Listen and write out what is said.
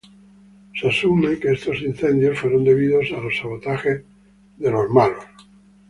Se asume que estos incendios fueron debidos a los sabotajes rusos.